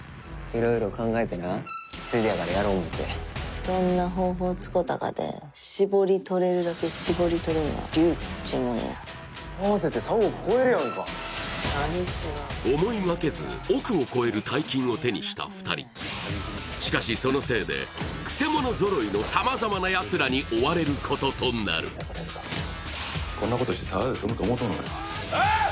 ・色々考えてなついでやからやろう思うてどんな方法使うたかてしぼり取れるだけしぼり取るんが流儀っちゅうもんや合わせて３億超えるやんか思いがけず億を超える大金を手にした２人しかしそのせいでくせ者揃いの様々なやつらに追われることとなるこんなことしてただで済むと思うとんのかえっ！？